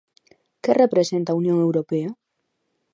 Que representa a Unión Europea?